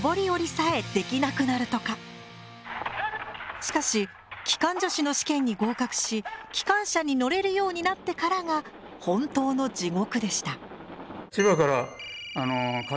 しかし機関助士の試験に合格し機関車に乗れるようになってからが本当の地獄でした。